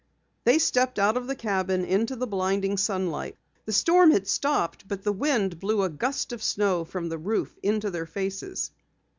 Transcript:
They stepped out of the cabin into the blinding sunlight. The storm had stopped, but the wind blew a gust of snow from the roof into their faces.